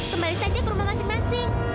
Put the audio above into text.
kembali saja ke rumah masing masing